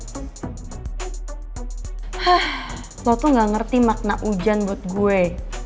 hah lo tuh gak ngerti makna hujan buat gue